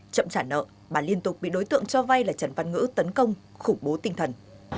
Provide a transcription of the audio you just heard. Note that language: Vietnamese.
chậm trả nợ bà liên tục bị đối tượng cho vay là trần văn ngữ tấn công khủng bố tinh thần